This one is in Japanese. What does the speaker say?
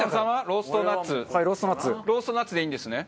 ローストナッツでいいんですね。